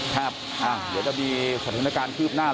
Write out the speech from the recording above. เดี๋ยวจะมีสถานการณ์คืบหน้า